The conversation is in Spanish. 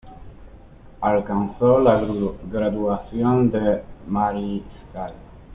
Alcanzó la graduación de mariscal.